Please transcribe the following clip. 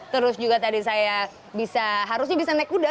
terus juga tadi saya bisa harusnya bisa naik kuda